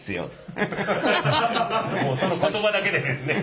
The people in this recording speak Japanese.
もうその言葉だけでですね。